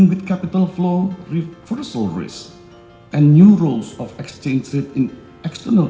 dalam perjalanan dengan resiko penggunaan kapital dan perubahan ekonomi secara eksternal